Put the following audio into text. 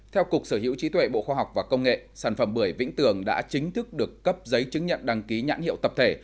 theo cục sở hữu trí tuệ bộ khoa học và công nghệ sản phẩm bưởi vĩnh tường đã chính thức được cấp giấy chứng nhận đăng ký nhãn hiệu tập thể